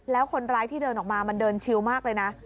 แล้วคนร้ายที่เดินออกมามันเดินชิวมากเลยนะ